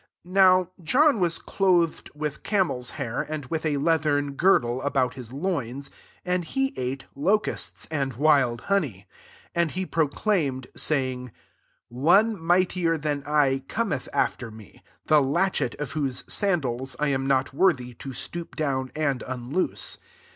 6 Now John was clothed with camp's hair, and with a leath ern girdle about his loins ^ and he ate locusts and wild honey. 7 And he proclaimed, saying, '* One mightier than I cometh after me ; the latchet of whose sandals I am not worthy to stoop down and unloose.